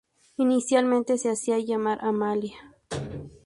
Inicialmente se hacía llamar Amalia.